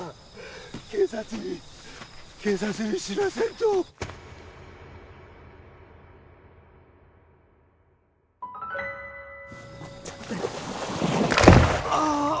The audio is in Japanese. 警察に警察に知らせんとあああっ